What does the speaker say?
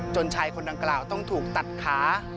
ชายคนดังกล่าวต้องถูกตัดขา